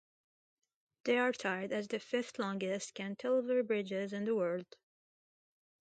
They are tied as the fifth-longest cantilever bridges in the world.